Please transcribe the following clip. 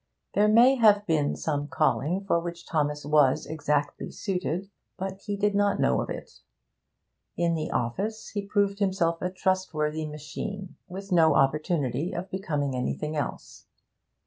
There may have been some calling for which Thomas was exactly suited, but he did not know of it; in the office he proved himself a trustworthy machine, with no opportunity of becoming anything else.